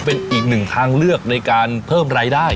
เป็นอีกหนึ่งทางเลือกในการเพิ่มรายได้